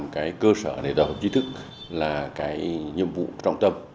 cái cơ sở để tập hợp trí thức là cái nhiệm vụ trọng tâm